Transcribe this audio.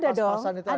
pas pasan ada dong